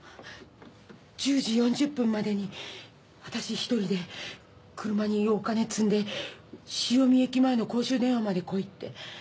１０時４０分までに私ひとりで車にお金積んで潮見駅前の公衆電話まで来いって。